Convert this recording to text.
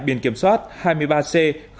biên kiểm soát hai mươi ba c bảy trăm ba mươi ba